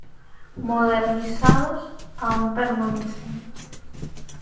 Modernizados, aún permanecen.